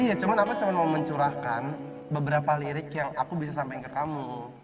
iya cuman aku cuman mau mencurahkan beberapa lirik yang aku bisa sampein ke kamu